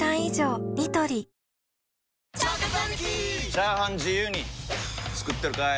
チャーハン自由に作ってるかい！？